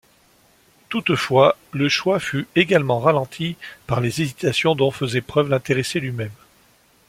Toutefois le choix fut également ralenti par les hésitations dont faisait preuve l'intéressé lui-même.